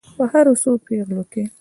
په هرو څو پیغلو کې.